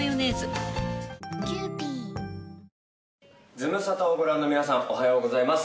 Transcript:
ズムサタをご覧の皆さん、おはようございます。